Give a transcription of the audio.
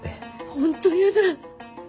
本当やだ。